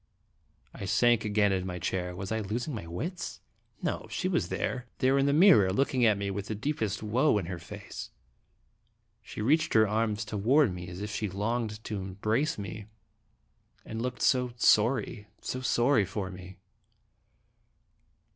I sank again in my chair. Was I losing my wits? No she was there there in the mirror, looking at me with the deepest woe in her face ! She reached her arms to &lje ^Dramatic in ills fttestins. 121 ward me, as if she longed to embrace me, and looked so sorry, so sorry for me.